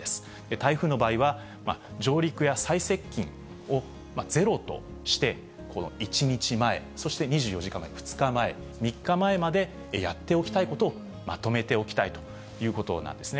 台風の場合は、上陸や最接近をゼロとして、１日前、そして２４時間前、２日前、３日前までやっておきたいことをまとめておきたいということなんですね。